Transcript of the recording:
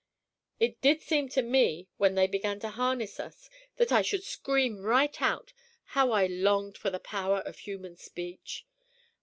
"It did seem to me when they began to harness us that I should scream right out; how I longed for the power of human speech!